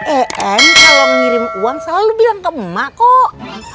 em kalau ngirim uang selalu bilang ke emak kok